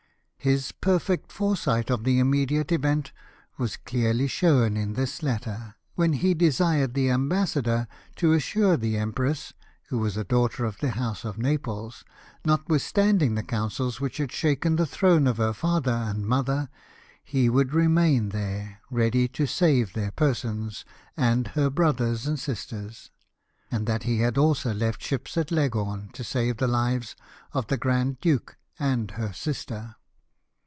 His perfect foresight of the immediate event was clearly shown in this letter, when he de sired the ambassador to assure the empress (who was a daughter of the house of Naples), notwithstanding the councils which had shaken the throne of her father and mother, he Avould remain there, ready to save their persons, and her brothers and sisters ; and that he had also left ships at Leghorn, to save the lives of the Grand Duke and her sister.